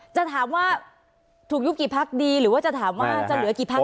จะถามว่าถูกยุบกี่พักดีหรือว่าจะถามว่าจะเหลือกี่พัก